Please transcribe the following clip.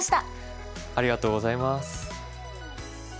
ありがとうございます。